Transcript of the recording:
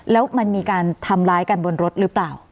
แล้วมันมีการทำร้ายกันบนรถหรือเปล่า